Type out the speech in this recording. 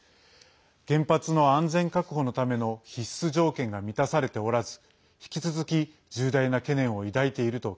原発の安全確保のための必須条件が満たされておらず引き続き重大な懸念を抱いていると